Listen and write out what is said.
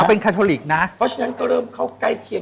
เพราะฉะนั้นก็เริ่มจะเข้าใกล้เทียง